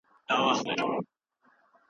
هغه استاد چي ښه تجربه لري سمه لارښوونه کوي.